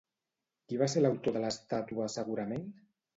Qui va ser l'autor de l'estàtua segurament?